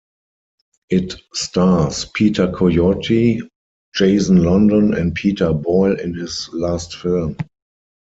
It stars Peter Coyote, Jason London and Peter Boyle in his last film.